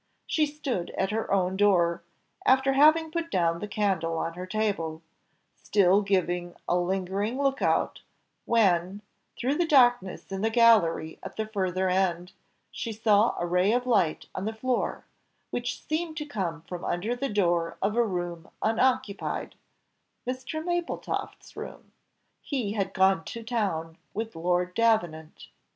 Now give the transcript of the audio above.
She stood at her own door, after having put down the candle on her table, still giving a lingering look out, when, through the darkness in the gallery at the further end, she saw a ray of light on the floor, which seemed to come from under the door of a room unoccupied Mr. Mapletofft's room; he had gone to town with Lord Davenant.